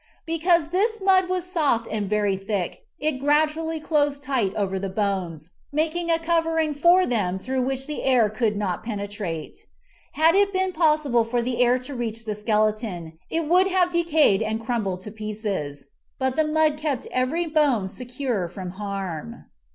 Because this mud was soft and very thick it gradually closed tight over the bones, making a covering for them through which the air could not penetrate. Had it been possible for the air to reach the skeleton, it would have decayed and crumbled to pieces. But the mud kept every bone secure from harm.